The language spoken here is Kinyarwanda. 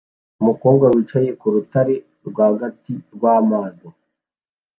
Umukobwa wicaye ku rutare rwagati rwamazi